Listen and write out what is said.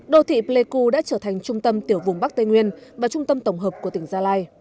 đô thị pleiku đã trở thành trung tâm tiểu vùng bắc tây nguyên và trung tâm tổng hợp của tỉnh gia lai